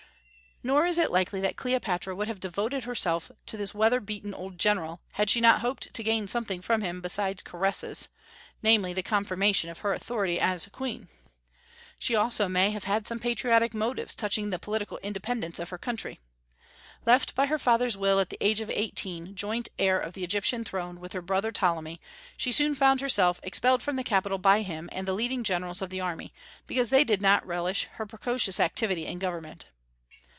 Nor is it likely that Cleopatra would have devoted herself to this weather beaten old general, had she not hoped to gain something from him besides caresses, namely, the confirmation of her authority as queen. She also may have had some patriotic motives touching the political independence of her country. Left by her father's will at the age of eighteen joint heir of the Egyptian throne with her brother Ptolemy, she soon found herself expelled from the capital by him and the leading generals of the army, because they did not relish her precocious activity in government.